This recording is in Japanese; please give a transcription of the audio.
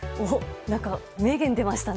何か名言出ましたね。